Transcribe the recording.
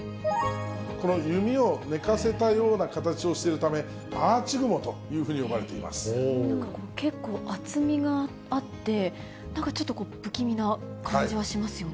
この弓を寝かせたような形をしているため、アーチ雲というふうに結構、厚みがあって、なんかちょっと不気味な感じはしますよね。